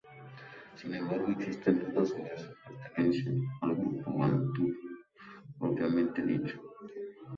Sin embargo, existen dudas sobre su pertenencia al grupo bantú propiamente dicho.